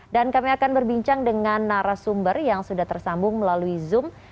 dan kami akan berbincang dengan narasumber yang sudah tersambung melalui zonetab